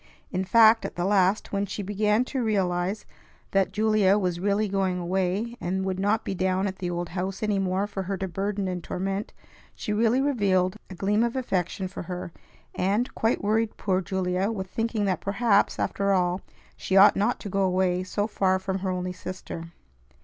In fact, at the last, when she began to realize that Julia was really going away, and would not be down at the old house any more for her to burden and torment, she really revealed a gleam of affection for her, and quite worried poor Julia with thinking that perhaps, after all, she ought not to go away so far from her only sister.